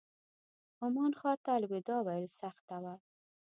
عمان ښار ته الوداع ویل سخته وه.